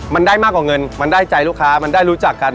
มันได้มากกว่าเงินมันได้ใจลูกค้ามันได้รู้จักกัน